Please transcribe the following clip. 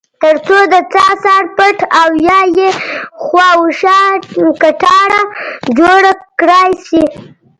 ترڅو د څاه سر پټ او یا یې خواوشا کټاره جوړه کړای شي.